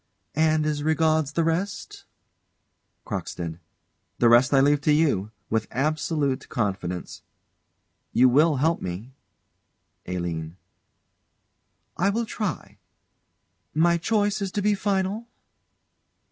And, as regards the rest CROCKSTEAD. The rest I leave to you, with absolute confidence. You will help me? ALINE. I will try. My choice is to be final?